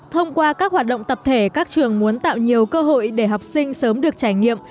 thông qua các hoạt động tập thể các trường muốn tạo nhiều cơ hội để học sinh sớm được trải nghiệm